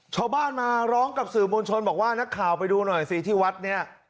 ชาวบ้านมาร้องกับสื่อมวลชนบอกว่านักข่าวไปดูหน่อยสิที่วัดเนี่ย